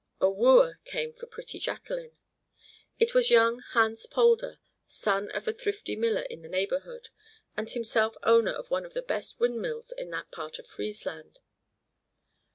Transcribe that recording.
A wooer came for pretty Jacqueline. It was young Hans Polder, son of a thrifty miller in the neighborhood, and himself owner of one of the best windmills in that part of Friesland.